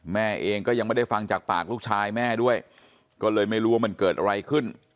แม่เองก็ยังไม่ได้ฟังจากปากลูกชายแม่ด้วยก็เลยไม่รู้ว่ามันเกิดอะไรขึ้น